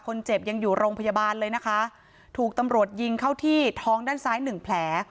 คนเจ็บยังอยู่โรงพยาบาลเลยนะคะถูกตำรวจยิงเข้าที่ท้องด้านซ้ายหนึ่งแผล